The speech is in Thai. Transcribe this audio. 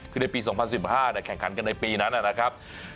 คือในปี๒๐๑๕แข่งขันกันในปีนั้นนะครับ